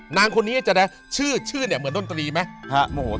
นางคนนี้จะแนะชื่อเหมือนด้นตรีไหม